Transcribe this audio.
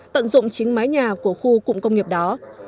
tận dụng chính mái nhà của khu cụm công nghiệp đó